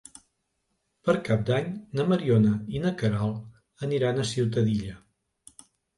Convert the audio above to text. Per Cap d'Any na Mariona i na Queralt aniran a Ciutadilla.